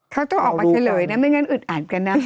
เขาต้องออกมาเฉลยนะไม่งั้นอึดอัดกันนะ